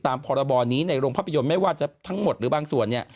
พรบนี้ในโรงภาพยนตร์ไม่ว่าจะทั้งหมดหรือบางส่วนเนี่ย